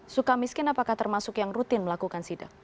suka miskin apakah termasuk yang rutin melakukan sidak